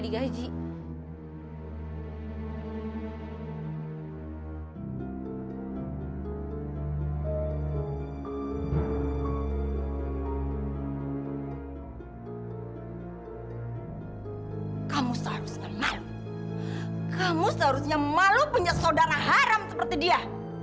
kamu seharusnya malu punya saudara haram seperti dia